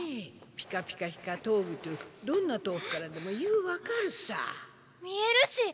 ピカピカ光っとぐとぅどんな遠くからでもゆう分かるさ見えるし。